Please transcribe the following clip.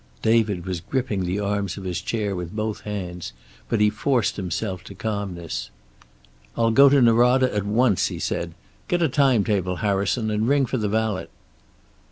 David was gripping the arms of his chair with both hands, but he forced himself to calmness. "I'll go to Norada at once," he said. "Get a time table, Harrison, and ring for the valet."